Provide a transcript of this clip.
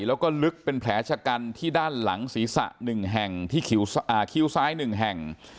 แล้วก็ลึกเป็นแผลชะกันที่ด้านหลังศีรษะ๑แห่งที่คิ้วซ้าย๑แห่ง